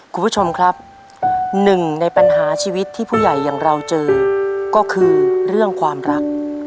คุณผู้ชมครับหนึ่งในปัญหาชีวิตที่ผู้ใหญ่อย่างเราเจอก็คือเรื่องความรัก